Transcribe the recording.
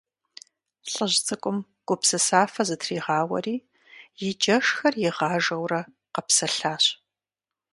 ЛӀыжь цӀыкӀум гупсысафэ зытригъауэри, и джэшхэр игъажэурэ къэпсэлъащ.